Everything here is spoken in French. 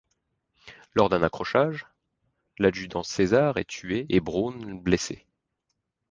Lors d'un accrochage, l'adjudant Cæsar est tué et Brown blessé.